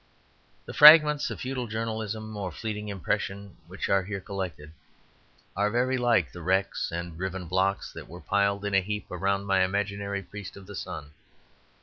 The fragments of futile journalism or fleeting impression which are here collected are very like the wrecks and riven blocks that were piled in a heap round my imaginary priest of the sun.